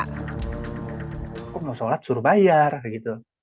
kok mau sholat suruh bayar gitu